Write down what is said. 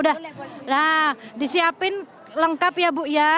nah disiapin lengkap ya bu ya